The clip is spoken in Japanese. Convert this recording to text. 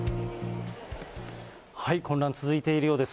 混乱続いているようです。